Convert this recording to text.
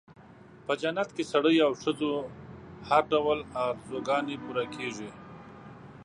په جنت کې د سړیو او ښځو هر ډول آرزوګانې پوره کېږي.